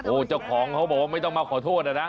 โอ้โหเจ้าของเขาบอกว่าไม่ต้องมาขอโทษนะ